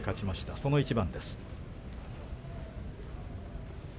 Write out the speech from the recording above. その一番です。